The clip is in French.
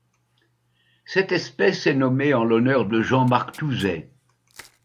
Cette espèce est nommée en l'honneur de Jean-Marc Touzet.